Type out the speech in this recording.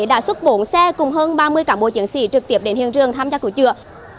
đã xuất bổn xe cùng hơn ba mươi cảng bộ chiến sĩ trực tiếp đến hiện trường tham gia cửa trựa